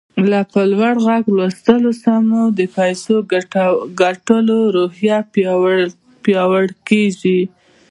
له په لوړ غږ لوستلو سره مو د پيسو ګټلو روحيه پياوړې کېږي.